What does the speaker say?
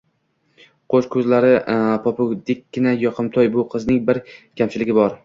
Qosh-ko`zlari popukdekkina, yoqimtoy bu qizning bir kamchiligi bor